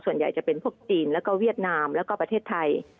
ส่วนใหญ่จะเป็นพวกจีนแล้วก็เวียดนามแล้วก็ประเทศไทย